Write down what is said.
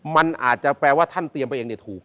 มันอาจจะแปลว่าท่านเตรียมไปอย่างเดียวถูก